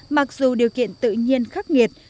mặc dù điều kiện tự nhiên khắc nghiệt